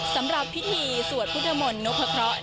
สำหรับพิธีสวดพุทธมนต์พระเคาะ